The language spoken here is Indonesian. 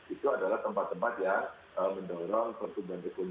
itu adalah tempat tempat yang mendorong pertumbuhan ekonomi